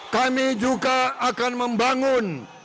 kami juga akan membangun